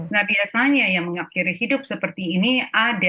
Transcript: nah biasanya yang mengakhiri hidup seperti ini ada